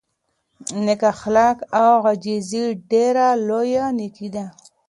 نېک اخلاق او عاجزي ډېره لویه نېکي ده.